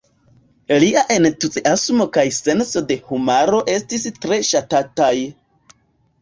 Lia entuziasmo kaj senso de humuro estis tre ŝatataj.